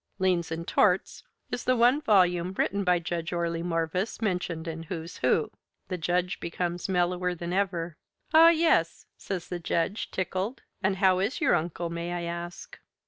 "Liens and Torts" is the one volume written by Judge Orley Morvis mentioned in "Who's Who." The Judge becomes mellower than ever. "Ah, yes!" says the Judge, tickled, "and how is your uncle, may I ask?"